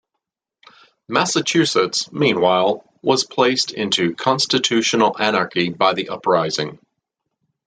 Massachusetts, meanwhile, was placed into constitutional anarchy by the uprising.